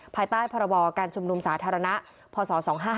ภายใต้พรบการชุมนุมสาธารณะพศ๒๕๕